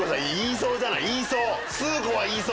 言いそうじゃない言いそう。